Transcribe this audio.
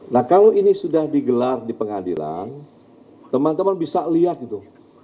nah kalau ini sudah digelar di pengadilan teman teman bisa lihat itu